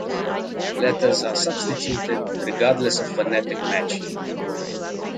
Letters are substituted regardless of phonetic matching.